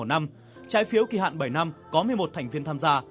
trái phiếu kỳ hạn bảy năm có một mươi một thành viên tham gia